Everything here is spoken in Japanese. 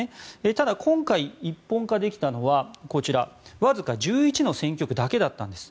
ただ、今回一本化できたのはわずか１１の選挙区だけだったんです。